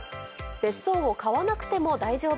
別荘を買わなくても大丈夫。